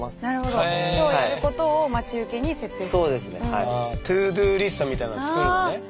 はい。ＴｏＤｏリストみたいなのを作るのね？